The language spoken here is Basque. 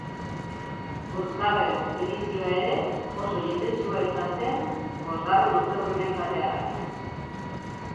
Bosgarren edizioa ere oso jendetsua izan zen, bosgarren urteurrena izateagatik.